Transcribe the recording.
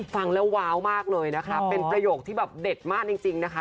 ฟังแล้วว้าวมากเลยนะคะเป็นประโยคที่แบบเด็ดมากจริงนะคะ